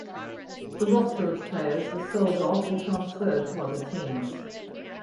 The roster of players was sold off or transferred to other teams.